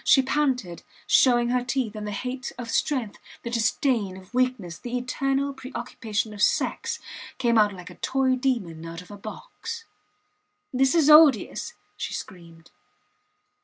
She panted, showing her teeth, and the hate of strength, the disdain of weakness, the eternal preoccupation of sex came out like a toy demon out of a box. This is odious, she screamed.